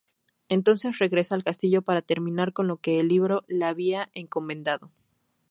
Entonces regresa al castillo para terminar con lo que el libro le había encomendado.